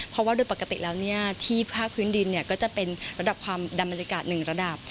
เพราะว่าโดยปกติแล้วที่ภาคพื้นดินก็จะเป็นระดับความดันบรรยากาศหนึ่งระดับ